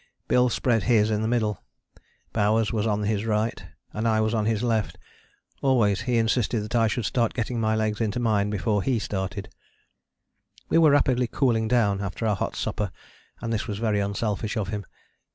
Bill spread his in the middle, Bowers was on his right, and I was on his left. Always he insisted that I should start getting my legs into mine before he started: we were rapidly cooling down after our hot supper, and this was very unselfish of him.